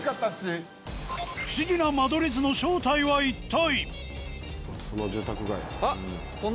不思議な間取り図の正体は一体！？